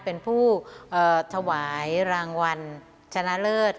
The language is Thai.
เป็นผู้ถวายรางวัลชนะเลิศ